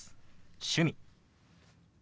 「趣味」。